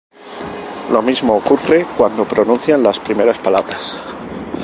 Lo mismo ocurre cuando pronuncian las primeras palabras.